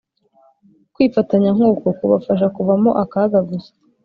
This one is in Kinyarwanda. Kwifatanya nkuko kubasha kuvamo akaga gusa